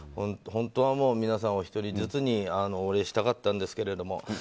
本当は皆さん、お一人ずつにお礼したかったんですけれども。